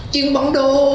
chuyện bọn đồ